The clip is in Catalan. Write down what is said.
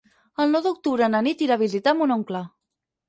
El nou d'octubre na Nit irà a visitar mon oncle.